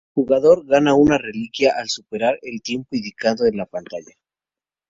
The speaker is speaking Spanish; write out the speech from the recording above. El jugador gana una reliquia al superar el tiempo indicado en la pantalla.